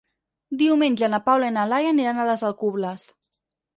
Diumenge na Paula i na Laia aniran a les Alcubles.